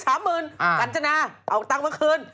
กัญจนาเอาตังค์มาคืน